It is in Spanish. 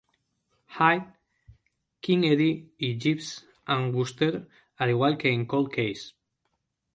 High", "Keen Eddie" y "Jeeves and Wooster", al igual que en "Cold Case".